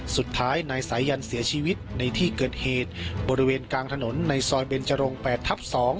สุดท้ายนายสายันเสียชีวิตในที่เกิดเหตุบริเวณกลางถนนในซอยเบนจรง๘ทับ๒